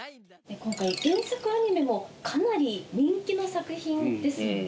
今回原作アニメもかなり人気の作品ですもんね。